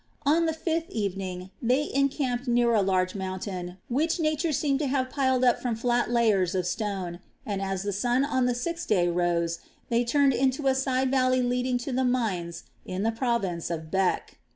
On the fifth evening they encamped near a large mountain which Nature seemed to have piled up from flat layers of stone and, as the sun of the sixth day rose, they turned into a side valley leading to the mines in the province of Bech.